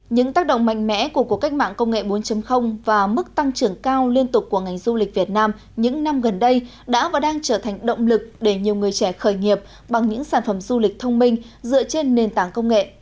những tác động mạnh mẽ của cuộc cách mạng công nghệ bốn và mức tăng trưởng cao liên tục của ngành du lịch việt nam những năm gần đây đã và đang trở thành động lực để nhiều người trẻ khởi nghiệp bằng những sản phẩm du lịch thông minh dựa trên nền tảng công nghệ